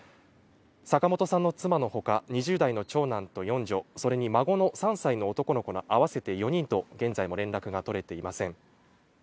坂本さんの妻のほか、２０代の長女と四女、それに孫の３歳の男の子ら合わせて４人と現在も連絡が取れていません。